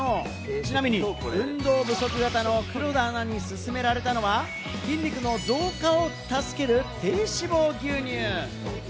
ちなみに運動不足型の黒田アナにすすめられたのは、筋肉の増加を助ける低脂肪牛乳。